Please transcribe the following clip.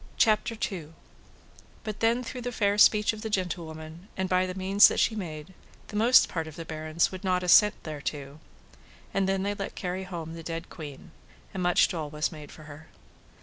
But then through the fair speech of the gentlewoman, and by the means that she made, the most part of the barons would not assent thereto. And then they let carry home the dead queen, and much dole was made for her.